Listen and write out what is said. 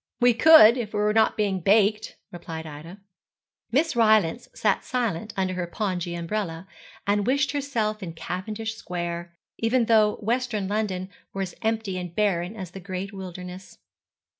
'We could, if we were not being baked,' replied Ida. Miss Rylance sat silent under her pongee umbrella, and wished herself in Cavendish Square; even though western London were as empty and barren as the great wilderness.